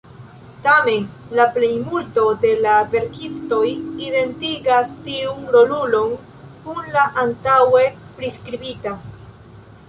Tamen, la plejmulto de la verkistoj identigas tiun rolulon kun la antaŭe priskribita.